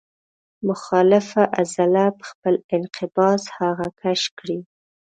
مخالفه عضله په خپل انقباض هغه کش کړي.